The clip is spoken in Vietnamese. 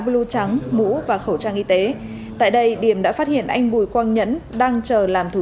blue trắng mũ và khẩu trang y tế tại đây điểm đã phát hiện anh bùi quang nhẫn đang chờ làm thủ